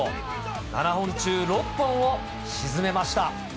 ７本中６本を沈めました。